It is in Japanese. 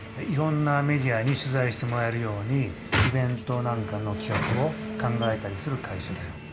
いろんなメディアに取ざいしてもらえるようにイベントなんかの企画を考えたりする会社だよ。